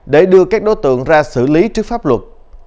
để đưa các đối tượng ra xử lý trước pháp luật